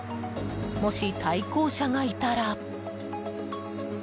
もし対向車がいたら。